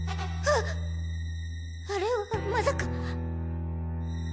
ああれはまさか。